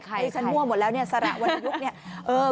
ดูฉันง่วงหมดแล้วนี่สระวัตยุคนี้